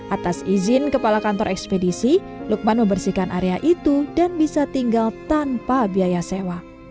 atas izin kepala kantor ekspedisi lukman membersihkan area itu dan bisa tinggal tanpa biaya sewa